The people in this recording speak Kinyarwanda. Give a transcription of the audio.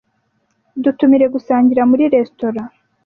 Dutumire gusangira muri resitora.